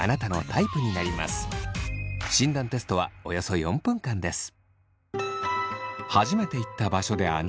診断テストはおよそ４分間です。